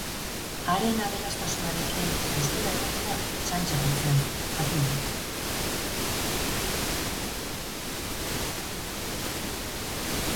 Haren aberastasunarekin gustura egotea txantxa bat zen, jakina.